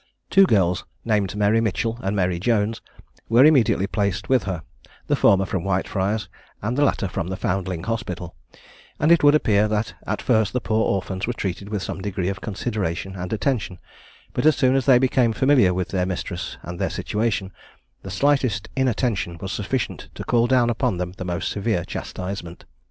Two girls, named Mary Mitchell and Mary Jones, were immediately placed with her, the former from Whitefriars, and the latter from the Foundling Hospital; and it would appear, that at first the poor orphans were treated with some degree of consideration and attention, but as soon as they became familiar with their mistress and their situation, the slightest inattention was sufficient to call down upon them the most severe chastisement.